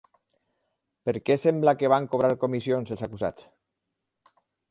Per què sembla que van cobrar comissions els acusats?